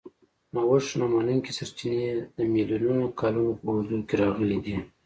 نوښت نه منونکي سرچینې د میلیونونو کالونو په اوږدو کې راغلي دي.